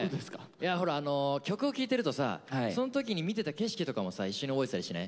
いやほら曲を聴いてるとさその時に見てた景色とかもさ一緒に覚えてたりしない？